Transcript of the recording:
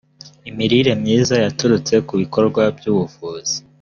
imilire myiza yaturutse ku bikorwa by’ ubuvuzi